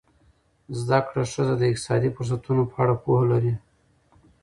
زده کړه ښځه د اقتصادي فرصتونو په اړه پوهه لري.